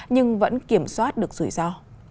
nhưng vẫn kiểm soát được rủi ro